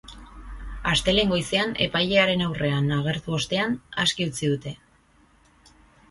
Astelehen goizean epailearen aurrean agertu ostean aske utzi dute.